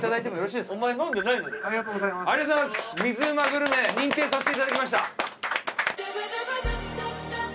グルメ認定させていただきました。